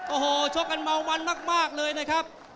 โอ้โหชกกันเมามันมากเลยนะครับ